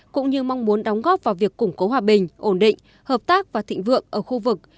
cũng như mong muốn đóng góp vào việc củng cố hòa bình ổn định hợp tác và thịnh vượng ở khu vực